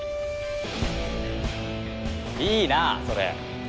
いいなあそれ。